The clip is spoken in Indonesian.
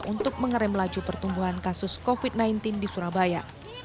untuk mengerem laju pertumbuhan kasus covid sembilan belas di surabaya